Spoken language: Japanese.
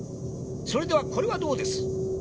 それではこれはどうです？